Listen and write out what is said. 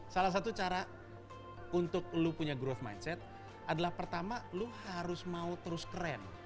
salah satu cara untuk lo punya growth mindset adalah pertama lo harus mau terus keren